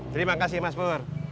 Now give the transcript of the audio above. terima kasih mas pur